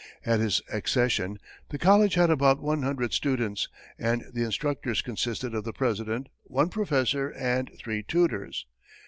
At his accession, the college had about one hundred students, and the instructors consisted of the president, one professor and three tutors.